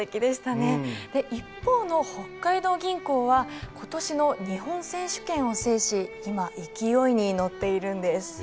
で一方の北海道銀行は今年の日本選手権を制し今勢いに乗っているんです。